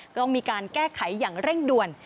ต้องมีการแก้ไขอย่างเร่งด่วน